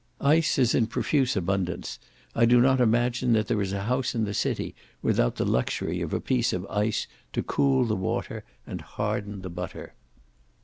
Ice is in profuse abundance; I do not imagine that there is a house in the city without the luxury of a piece of ice to cool the water, and harden the butter.